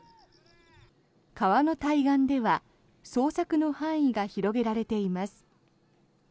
川の対岸では捜索の範囲が広げられています。